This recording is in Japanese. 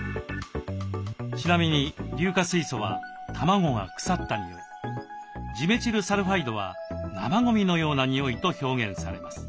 ちなみに硫化水素は卵が腐った臭いジメチルサルファイドは生ごみのような臭いと表現されます。